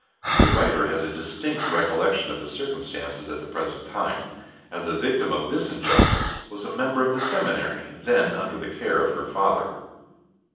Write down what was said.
The writer has a distinct recollection of the circumstances at the present time, as the victim of this injustice was a member of the seminary then under the care of her father.